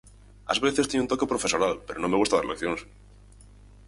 Ás veces teño un toque profesoral pero non me gustar dar leccións.